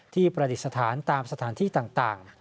ประดิษฐานตามสถานที่ต่าง